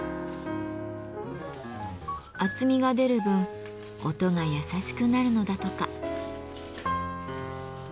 厚みが出る分音が優しくなるのだとか。